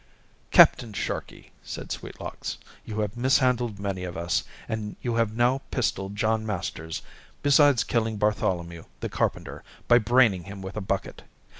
"Captain Sharkey," said Sweetlocks, "you have mishandled many of us, and you have now pistolled John Masters, besides killing Bartholomew, the carpenter, by braining him with a bucket.